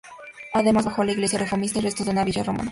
Además, bajo la iglesia reformista hay restos de una villa romana.